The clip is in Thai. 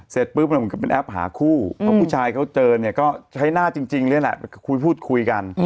เสร็จปุ๊บมันก็เป็นแอปหาคู่เพราะผู้ชายเขาเจอเนี่ยก็ใช้หน้าจริงเลยแหละคุยพูดคุยกัน